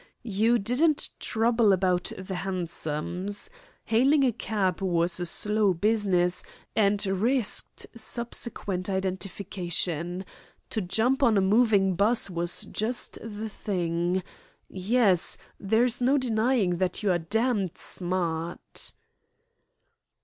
You didn't trouble about the hansoms. Hailing a cab was a slow business, and risked subsequent identification. To jump on to a moving 'bus was just the thing. Yes, there is no denying that you are d d smart."